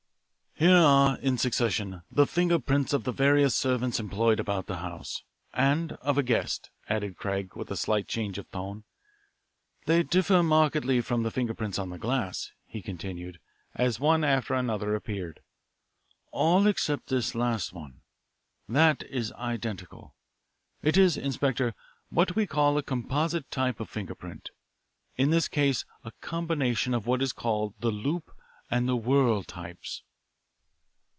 "Here are, in succession, the finger prints of the various servants employed about the house and of a guest," added Craig, with a slight change of tone. "They differ markedly from the finger prints on the glass," he continued, as one after another appeared, "all except this last one. That is identical. It is, Inspector, what we call a composite type of finger print in this case a combination of what is called the 'loop' and 'whorl' types."